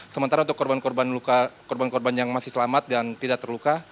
sementara untuk korban korban yang masih selamat dan tidak terluka